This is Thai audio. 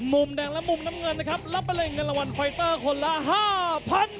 มุมแดงและมุมน้ำเงินนะครับรับไปเลยเงินรางวัลไฟเตอร์คนละ๕๐๐๐บาท